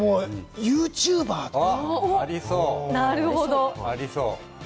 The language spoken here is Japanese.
ユーチューバーとか？